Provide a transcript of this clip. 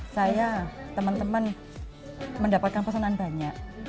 saya teman teman mendapatkan pesanan banyak